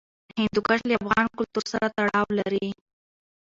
هندوکش له افغان کلتور سره تړاو لري.